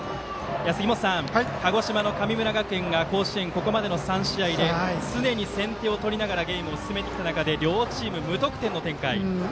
杉本さん、鹿児島の神村学園が甲子園ここまでの３試合で常に先手を取りながらゲームを進めてきた中で両チーム、無得点の展開。